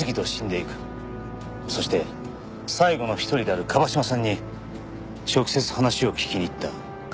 そして最後の一人である椛島さんに直接話を聞きに行った。